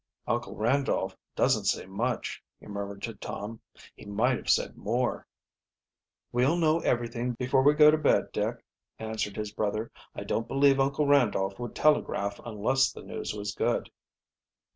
"Uncle Randolph doesn't say much," he murmured to Tom. "He might have said more." "We'll know everything before we go to bed, Dick," answered his brother. "I don't believe Uncle Randolph would telegraph unless the news was good."